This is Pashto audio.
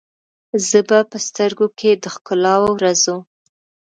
زه به په سترګو کې، د ښکلو ورځو،